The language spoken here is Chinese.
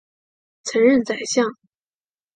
曾任宰相。